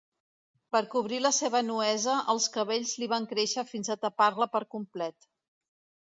Per cobrir la seva nuesa, els cabells li van créixer fins a tapar-la per complet.